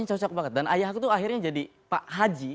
ya boleh boleh